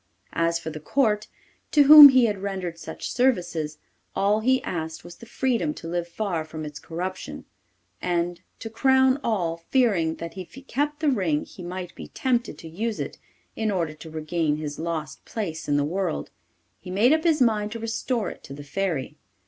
As for the Court, to whom he had rendered such services, all he asked was the freedom to live far from its corruption; and, to crown all, fearing that if he kept the ring he might be tempted to use it in order to regain his lost place in the world, he made up his mind to restore it to the Fairy.